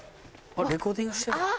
レコーディングしてるわ。